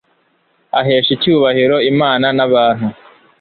ahesha icyubahiro imana n'abantu